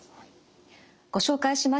ご紹介しました